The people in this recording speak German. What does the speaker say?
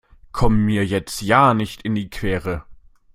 Komm mir jetzt ja nicht in die Quere!